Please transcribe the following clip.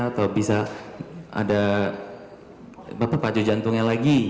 atau bisa ada apa apa pacu jantungnya lagi